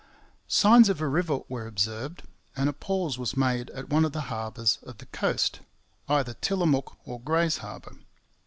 Signs of a river were observed; and a pause was made at one of the harbours on the coast either Tillamook or Gray's Harbour.